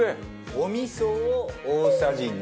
お味噌を大さじ２。